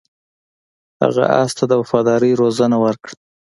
هغه اس ته د وفادارۍ روزنه ورکړه.